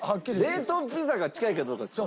冷凍ピザが近いかどうかですか？